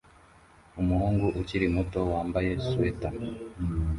Umuhungu ukiri muto wambaye swater